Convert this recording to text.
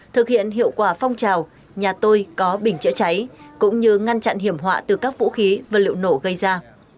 thực hiện hiệu quả phong trào nhà tôi có bình chữa cháy cũng như ngăn chặn hiểm họa từ các vũ khí và liệu nổ gây ra